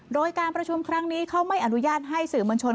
โดยการประชุมครั้งนี้เขาไม่อนุญาตให้สื่อมวลชน